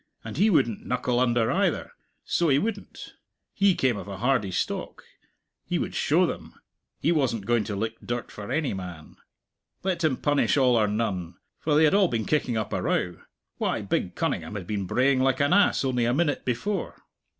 And he wouldn't knuckle under, either, so he wouldn't. He came of a hardy stock. He would show them! He wasn't going to lick dirt for any man. Let him punish all or none, for they had all been kicking up a row why, big Cunningham had been braying like an ass only a minute before.